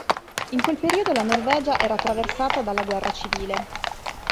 In quel periodo la Norvegia era attraversata dalla guerra civile.